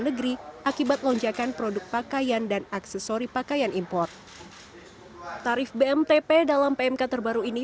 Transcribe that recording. negeri akibat lonjakan produk pakaian dan aksesori pakaian impor tarif bmtp dalam pmk terbaru ini